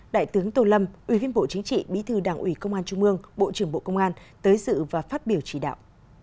đại tướng tô lâm ủy viên bộ chính trị bí thư đảng ủy công an trung mương bộ trưởng bộ công an tới dự và phát biểu chỉ đạo